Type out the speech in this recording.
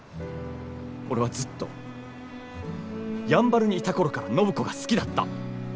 俺はずっとやんばるにいた頃から暢子が好きだった。